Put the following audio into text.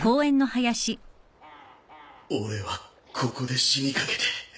俺はここで死にかけて。